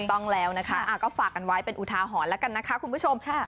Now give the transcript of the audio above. ต้องแล้วนะคะก็ฝากกันไว้เป็นอุทาหรณ์แล้วกันนะคะคุณผู้ชม